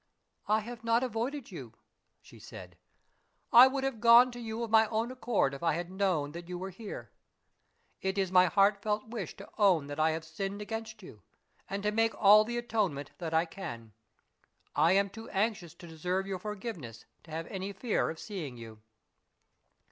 "I have not avoided you," she said. "I would have gone to you of my own accord if I had known that you were here. It is my heartfelt wish to own that I have sinned against you, and to make all the atonement that I can. I am too anxious to deserve your forgiveness to have any fear of seeing you."